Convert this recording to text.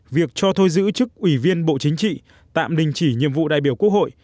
việc cho thôi giữ chức ủy viên bộ chính trị tạm đình chỉ nhiệm vụ đại biểu quốc hội